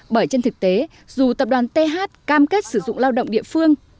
bởi trên thực tế dù tập đoàn th cam kết sử dụng lao động địa phương